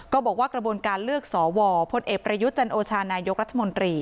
ก็บอกว่ากระบวนการเลือกสวพลเอกประยุทธ์จันโอชานายกรัฐมนตรี